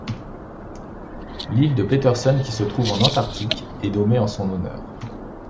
L'île de Petersen qui se trouve en Antarctique est nommée en son honneur.